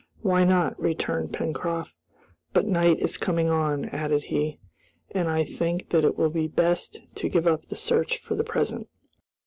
"Why not?" returned Pencroft. "But night is coming on," added he, "and I think that it will be best to give up the search for the present."